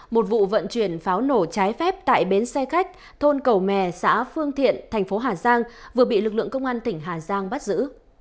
một vụ vận chuyển pháo nổ trái phép tại bến xe khách thôn cầu mè xã phương thiện thành phố hà giang vừa bị lực lượng công an tỉnh hà giang bắt giữ